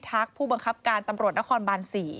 รัฐพิทักษ์ผู้บังคับการตำรวจนครบาน๔